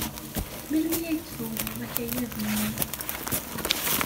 Melmi ay d-tuwyeḍ akayad-nni?